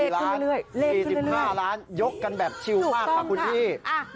เลขขึ้นเรื่อย๔๕ล้านยกกันแบบชิวมากค่ะคุณพี่ถูกต้องค่ะ